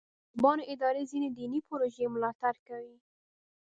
د طالبانو اداره ځینې دیني پروژې ملاتړ کوي.